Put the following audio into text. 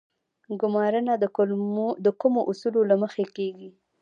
ګمارنه د کومو اصولو له مخې کیږي؟